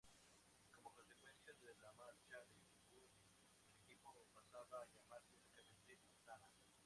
Como consecuencia de la marcha de Würth, el equipo pasaba a llamarse únicamente Astana.